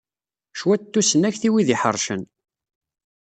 Cwiṭ n tusnakt, i wid iḥercen.